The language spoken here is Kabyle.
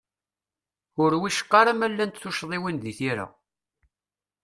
Ur wicqa ara ma llant tuccḍiwin di tira.